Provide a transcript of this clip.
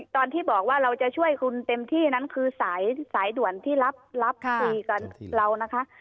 ตอนที่บอกว่าเราจะช่วยคุณเต็มที่นั้นคือสายด่วนที่รับคุยกับเรานะคะ